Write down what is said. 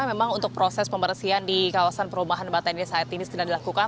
memang untuk proses pembersihan di kawasan perumahan batan ini saat ini sedang dilakukan